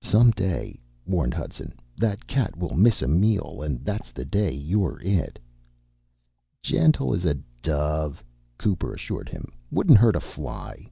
"Some day," warned Hudson, "that cat will miss a meal and that's the day you're it." "Gentle as a dove," Cooper assured him. "Wouldn't hurt a fly."